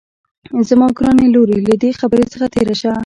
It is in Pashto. زما ګرانې لورې له دې خبرې څخه تېره شه